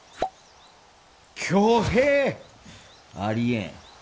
挙兵！？ありえん。